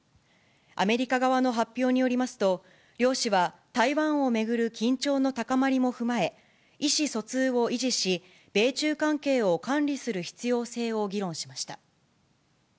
アメリカ側の発表によりますと、両氏は台湾を巡る緊張の高まりも踏まえ、意思疎通を維持し、米中関係を管理する必要性を議論しました。